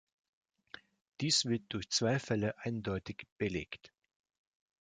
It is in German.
Dies wird durch zwei Fälle eindeutig belegt.